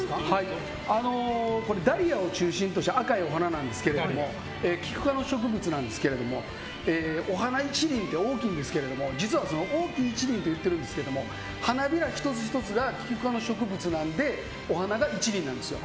ダリアを中心とした赤いお花なんですけどキク科の植物なんですけどお花１輪って大きいんですけど実はその大きい１輪といっているんですが花びら１つ１つがキク科の植物なのでお花が１輪なんですよ。